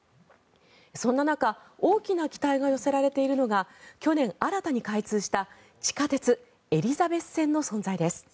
そんな中大きな期待が寄せられているのが去年、新たに開通した地下鉄エリザベス線の存在です。